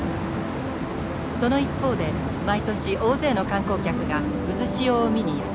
その一方で毎年大勢の観光客が渦潮を見にやって来ます。